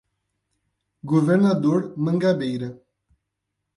Governador Mangabeira